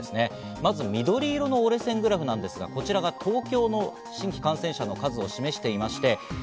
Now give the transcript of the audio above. まずは緑色の折れ線グラフですが、東京の新規感染者数の数を示しています。